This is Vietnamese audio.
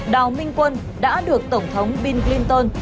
đào minh quân đã được tổng thống bill clinton